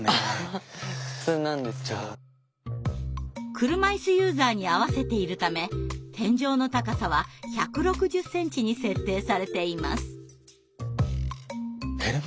車いすユーザーに合わせているため天井の高さは１６０ｃｍに設定されています。